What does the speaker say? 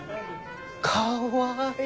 かわいい！